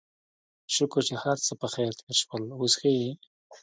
شکر چې هرڅه پخير تېر شول، اوس ښه يې؟